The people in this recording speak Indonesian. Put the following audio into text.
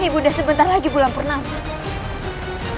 ibu udah sebentar lagi pulang pernafas